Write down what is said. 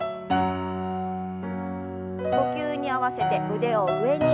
呼吸に合わせて腕を上に。